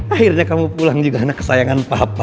akhirnya kamu pulang juga anak kesayangan papa